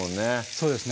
そうですね